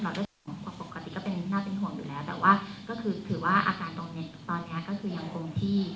ด้วยปกติก็เป็นน่าเป็นห่วงอยู่แล้วแต่ว่าก็คือถือว่าอาการตรงนี้ตอนนี้ก็คือยังคงที่